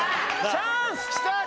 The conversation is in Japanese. チャンス！